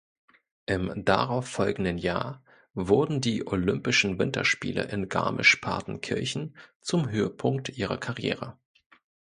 Im darauffolgenden Jahr wurden die Olympischen Winterspiele in Garmisch-Partenkirchen zum Höhepunkt ihrer Karriere.